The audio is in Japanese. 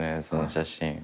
その写真。